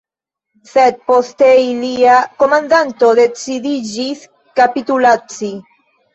Sed poste ilia komandanto decidiĝis kapitulaci.